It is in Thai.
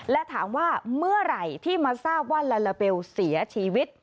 และถามว่าเมื่อไหร่ที่มาทราบว่าลาลาเบลเสียชีวิต